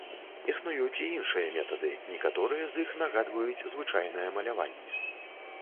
Існуюць і іншыя метады, некаторыя з іх нагадваюць звычайнае маляванне.